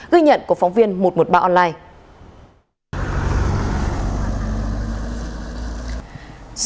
ghi nhận của phóng viên một trăm một mươi ba online